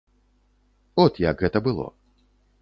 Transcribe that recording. От як гэта было.